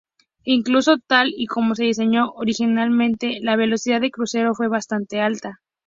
Incluso tal y como se diseñó originalmente, la velocidad de crucero fue bastante alta.